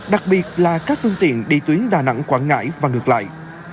đặc biệt là các phương tiện đi tuyến đà nẵng quảng ngãi và ngược lại